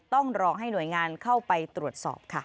ต้องรอให้หน่วยงานเข้าไปตรวจสอบค่ะ